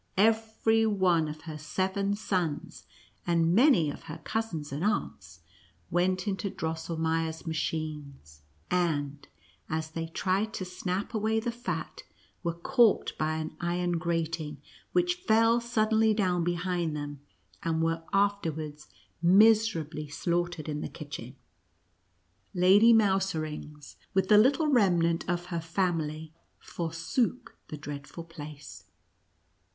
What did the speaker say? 65 every one of her seven sons, and many of her cousins and aunts, went into Drosselmeier's ma chines, and, as they tried to snap away the fat, were caught by an iron grating, which fell sud denly down behind them, and were afterwards miserably slaughtered in the kitchen. Lady Mousering;s, with the little remnant of her fam ily, forsook the dreadful place.